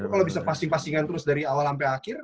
kalau bisa passing passingan terus dari awal sampai akhir